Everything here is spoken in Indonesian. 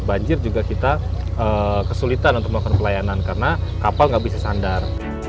banjir juga kita kesulitan untuk melakukan pelayanan karena kapal nggak bisa sandar